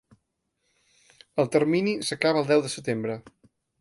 El termini s’acaba el deu de setembre.